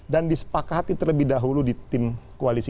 dan disepakati terlebih dahulu di tim koalisi